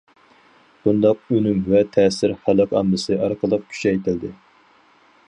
بۇنداق ئۈنۈم ۋە تەسىر خەلق ئاممىسى ئارقىلىق كۈچەيتىلدى.